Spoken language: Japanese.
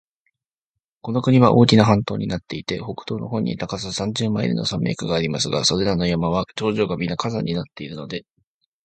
この国は大きな半島になっていて、北東の方に高さ三十マイルの山脈がありますが、それらの山は頂上がみな火山になっているので、